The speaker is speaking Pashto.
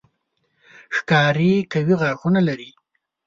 ښکاري قوي غاښونه لري.